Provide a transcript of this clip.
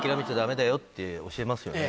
って教えますよね。